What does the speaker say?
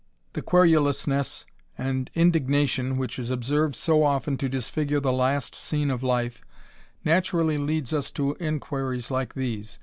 The quenilousness and indignation which is observed so often to disfigure the last scene of life, naturally leads us to inquiries like these.